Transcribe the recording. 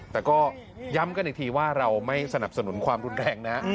แต่ก็ย้ำกันอีกทีว่าเราไม่สนับสนุนความรุนแรงนะ